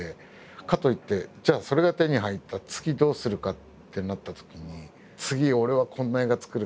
かといってじゃあそれが手に入ったら次どうするかってなったときに次俺はこんな映画作る。